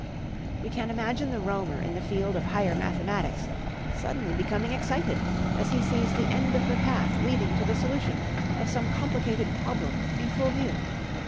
We can imagine the roamer in the field of higher mathematics suddenly becoming excited as he sees the end of the path leading to the solution of some complicated problem in full view.